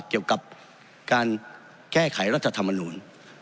เกี่ยวกับการแก้ไขรัฐธรรมนูล